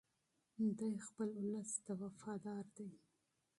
دی خپل ولس ته وفادار دی.